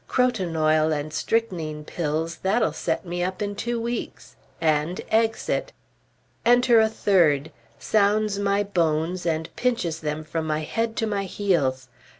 Croton oil and strychnine pills, that'll set me up in two weeks. And exit. Enter a third. Sounds my bones and pinches them from my head to my heels.